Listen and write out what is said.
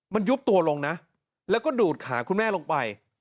มันยุบตัวลงนะแล้วก็ดูดขาคุณแม่ลงไป